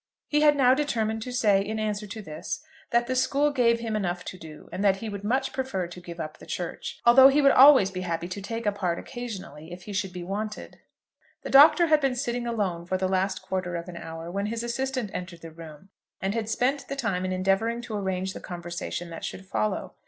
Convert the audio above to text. He had now determined to say, in answer to this, that the school gave him enough to do, and that he would much prefer to give up the church; although he would always be happy to take a part occasionally if he should be wanted. The Doctor had been sitting alone for the last quarter of an hour when his assistant entered the room, and had spent the time in endeavouring to arrange the conversation that should follow.